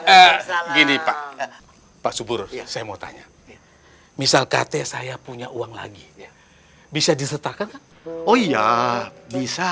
eh gini pak pak subur saya mau tanya misal katanya saya punya uang lagi bisa disetakan oh iya bisa